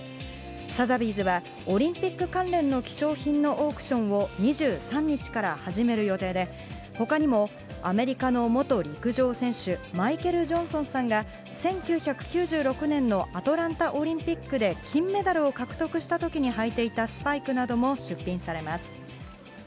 サザビーズは、オリンピック関連の希少品のオークションを２３日から始める予定で、ほかにもアメリカの元陸上選手、マイケル・ジョンソンさんが、１９９６年のアトランタオリンピックで金メダルを獲得したときに履いていたスパイクなども出品されます。